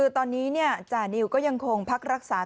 ตอนนี้จานิวยังคงรักษา